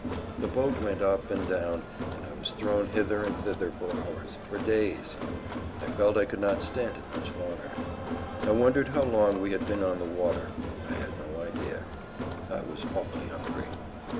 The boat went up and down, and I was thrown hither and thither for hours, for days. I felt I could not stand it much longer. I wondered how long we had been on the water. I had no idea. I was awfully hungry.